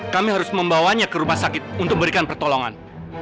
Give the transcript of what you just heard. kami harus membawanya ke rumah sakit untuk memberikan pertolongan